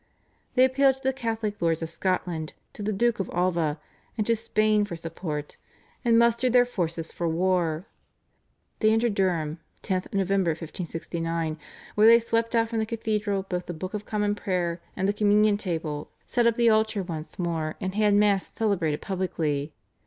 They appealed to the Catholic lords of Scotland, to the Duke of Alva, and to Spain for support, and mustered their forces for war. They entered Durham (10th Nov. 1569), where they swept out from the cathedral both the Book of Common Prayer and the communion table, set up the altar once more, and had Mass celebrated publicly.